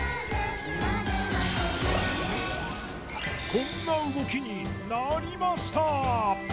こんな動きになりました！